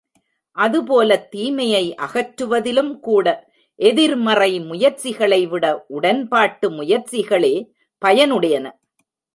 அதுபோலத் தீமையை அகற்றுவதிலும் கூட எதிர்மறை முயற்சிகளை விட உடன்பாட்டு முயற்சிகளே பயனுடையன.